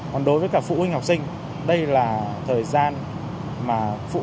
còn đối với cả phụ huynh học sinh đây là thời gian mà phụ